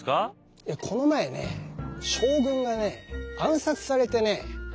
この前ね将軍がね暗殺されてね。